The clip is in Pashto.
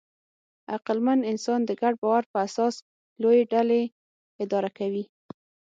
عقلمن انسان د ګډ باور په اساس لویې ډلې اداره کوي.